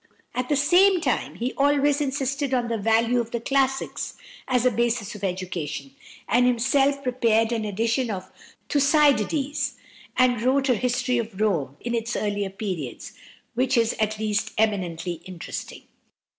At the same time he always insisted on the value of the classics as a basis of education, and himself prepared an edition of "Thucydides," and wrote a "History of Rome" in its earlier periods, which is at least eminently interesting.